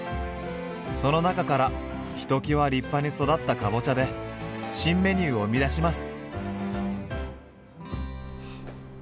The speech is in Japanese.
その中からひときわ立派に育ったかぼちゃで新メニューを生み出します。